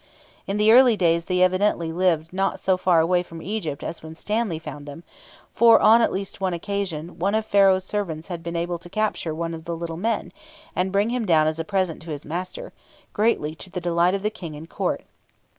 In early days they evidently lived not so far away from Egypt as when Stanley found them, for, on at least one occasion, one of Pharaoh's servants had been able to capture one of the little men, and bring him down as a present to his master, greatly to the delight of the King and Court.